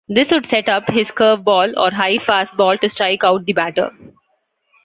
This would set up his curveball or high fastball to strike out the batter.